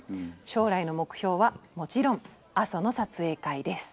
将来の目標はもちろん阿蘇の撮影会です」。